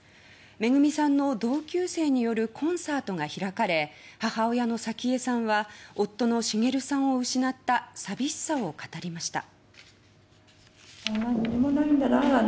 めぐみさんの同級生によるコンサートが開かれ母親の早紀江さんは夫の滋さんを失った寂しさを語りました。